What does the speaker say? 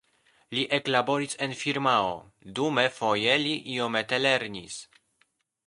Li eklaboris en firmao, dume foje li iomete lernis.